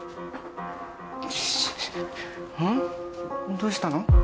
どうしたの？